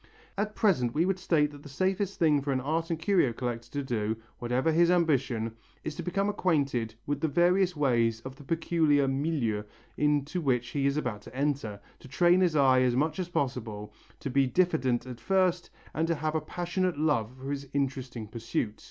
At present we would state that the safest thing for an art and curio collector to do, whatever his ambition, is to become acquainted with the various ways of the peculiar milieu into which he is about to enter, to train his eye as much as possible, to be diffident at first and to have a passionate love for his interesting pursuit.